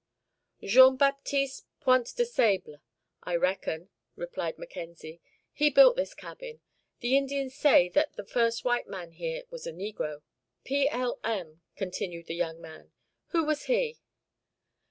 "Jean Baptiste Pointe de Saible, I reckon," replied Mackenzie. "He built this cabin. The Indians say that the first white man here was a negro." "P. L. M." continued the young man. "Who was he?"